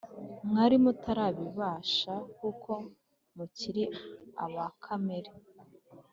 mwari mutarabibasha, kuko mukiri aba kamere.